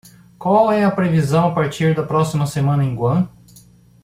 qual é a previsão a partir da próxima semana em Guam